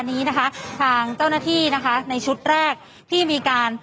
นี้นะคะทางเจ้าหน้าที่นะคะในชุดแรกที่มีการ